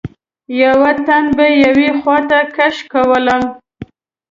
یوه تن به یوې خواته کش کولم.